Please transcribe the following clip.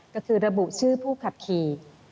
ก็คือระบุชื่อผู้ขับขี่